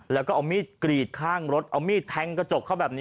แล้วก็เอามีดกรีดข้างรถเอามีดแทงกระจกเขาแบบนี้